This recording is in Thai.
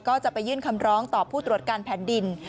ก็จะไปยื่นคำร้องต่อผู้ตรวจการแผ่นดิน